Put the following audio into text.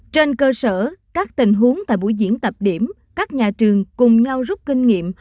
trên cơ sở các tình huống tại buổi diễn tập điểm các nhà trường cùng nhau rút kinh nghiệm